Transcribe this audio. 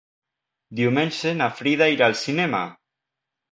Diumenge na Frida irà al cinema.